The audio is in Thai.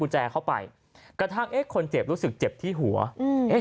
แจเข้าไปกระทั่งเอ๊ะคนเจ็บรู้สึกเจ็บที่หัวอืมเอ๊ะ